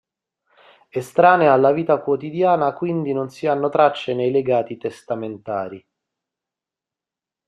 Estranea alla vita quotidiana quindi non si hanno tracce nei legati testamentari.